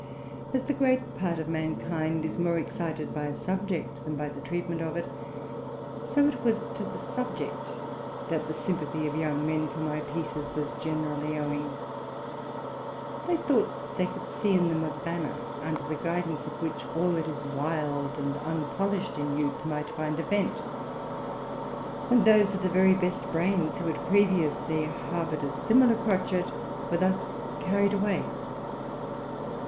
As the great part of mankind is more excited by a subject than by the treatment of it, so it was to the subject that the sym pathy of young men for my pieces was generally owing. They thought they could see in them a banner under the ouidance of which all that is wild and unpolished in youth might find a vent; and those of the very best brains, who had previously harbored a similar crotchet, were thus carried away.